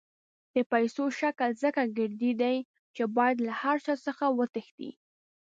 د پیسو شکل ځکه ګردی دی چې باید له هر چا څخه وتښتي.